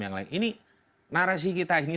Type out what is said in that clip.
yang lain ini narasi kita ini